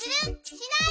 しない？